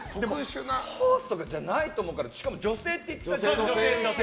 ホースとかじゃないと思うからしかも女性って言ったじゃん。